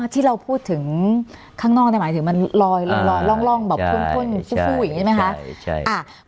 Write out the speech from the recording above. ที่เราพูดถึงข้างนอกหมายถึงมันลอยร่องแบบเข้มข้นสู้อย่างนี้ใช่ไหมคะ